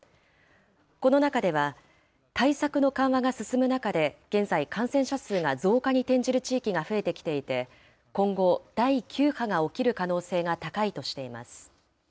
この中では、対策の緩和が進む中で、現在、感染者数が増加に転じる地域が増えてきていて、今後、第９波が起きる可能性が高いとしています。